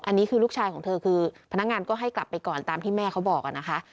อันนี้คือลูกชายของเธอคือพนักงานก็ให้กลับไปก่อนตามที่แม่เขาบอกนะคะ